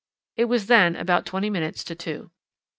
It was then about twenty minutes to two.